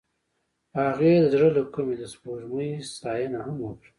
هغې د زړه له کومې د سپوږمۍ ستاینه هم وکړه.